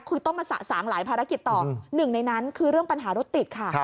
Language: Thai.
คือต้องมาสะสางหลายภารกิจต่อหนึ่งในนั้นคือเรื่องปัญหารถติดค่ะ